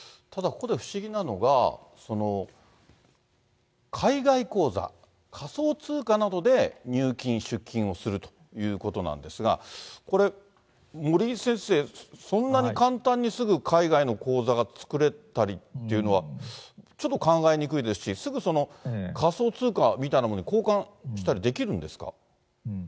ここで不思議なのが、海外口座、仮想通貨などで、入金出金をするということなんですが、これ、森井先生、そんなに簡単にすぐ海外の口座が作れたりっていうのは、ちょっと考えにくいですし、すぐ仮想通貨みたいなものに交換したりできるんですか。